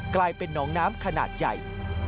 กลายเป็นน้องน้ำขนาดใหญ่